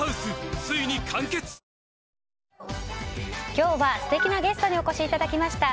今日は素敵なゲストにお越しいただきました。